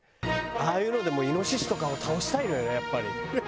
ああいうのでもうイノシシとかを倒したいのよねやっぱり。